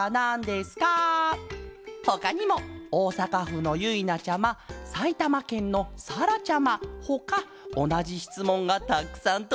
ほかにもおおさかふのゆいなちゃまさいたまけんのさらちゃまほかおなじしつもんがたくさんとどいてるケロ。